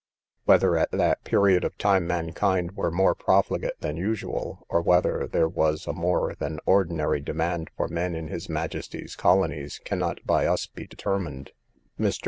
Whether at that period of time mankind were more profligate than usual, or whether there was a more than ordinary demand for men in his majesty's colonies, cannot by us be determined. Mr.